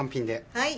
はい。